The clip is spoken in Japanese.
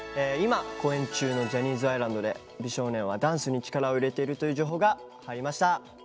今公演中の「ＪＯＨＮＮＹＳ’ＩＳＬＡＮＤ」で美少年はダンスに力を入れているという情報が入りました。